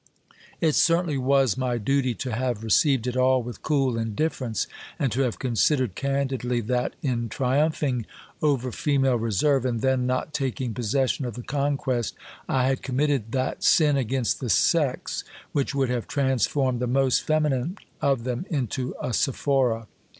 It certainly was my duty to have received it all with cool indifference, and to have considered candidly that in tri umphing over female reserve, and then not taking possession of the conquest, I had committed that sin against the sex, which would have transformed the most feminine of them into a Sephora.